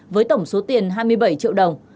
với tổng số tiền hai mươi bảy triệu đồng